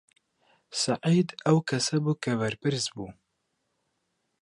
سەعید ئەو کەسە بوو کە بەرپرس بوو.